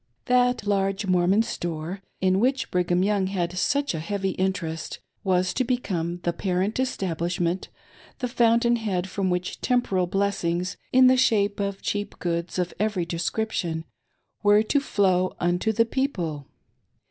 .That large Mormon store, in which Brigham Young had such a heavy interest, was to become the parent establishment, the fountain head from which temporal blessings, in the shape of cheap goods of every description, were to flow unto the people.